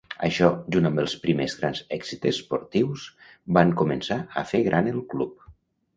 Això, junt amb els primers grans èxits esportius van començar a fer gran el Club.